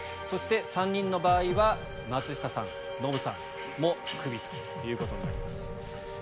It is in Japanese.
そして３人の場合は松下さんノブさんもクビということになります。